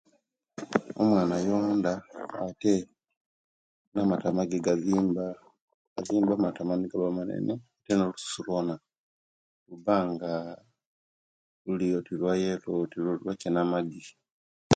Omwana ayonda naba nti amatama ge gazimba azimba amatama ge gabanga manene ate nolususu lwona lubanga lulyoti lwayelo oti lwe kinamaji